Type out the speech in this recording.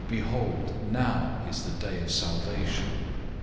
Behold, now is the day of salvation.